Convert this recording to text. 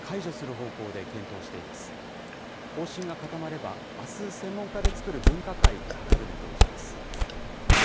方針が固まれば、あす専門家で作る分科会に諮る見通しです。